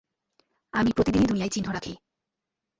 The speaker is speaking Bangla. আমি প্রতিদিনই দুনিয়ায় চিহ্ন রাখি।